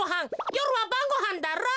よるはばんごはんだろ。